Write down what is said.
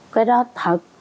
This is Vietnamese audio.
cái đó thật